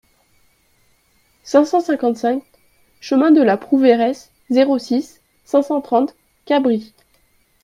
cinq cent cinquante-cinq chemin de la Prouveiresse, zéro six, cinq cent trente, Cabris